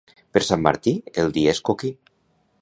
Per Sant Martí el dia és coquí.